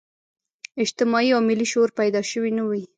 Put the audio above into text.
اجتماعي او ملي شعور پیدا شوی نه وي.